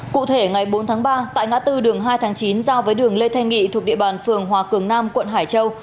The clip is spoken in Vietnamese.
cụ thể ngày bốn tháng ba tại ngã tư đường hai tháng chín giao với đường lê thanh nghị thuộc địa bàn phường hòa cường nam quận hải châu